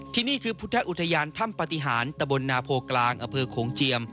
ที่นี่คือพุทธอุทยานถ้ำปฏิหารตะบนนาโพกลางอำเภอโขงเจียม